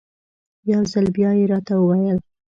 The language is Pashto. یو ځل بیا یې راته وویل.